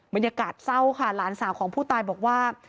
บรรยากาศเศร้าค่ะหลานสาวของผู้ตายบอกว่า